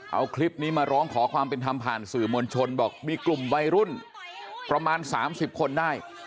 เอาคลิปนี้มาร้องขอความเป็นธรรมผ่านสื่อมวลชนบอกมีกลุ่มวัยรุ่นประมาณ๓๐คนได้